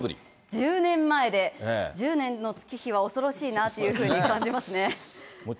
１０年前で、１０年の月日は恐ろしいなというふうに感じますね。